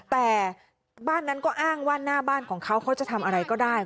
แต่บ้านนั้นก็อ้างว่าหน้าบ้านของเขาเขาจะทำอะไรก็ได้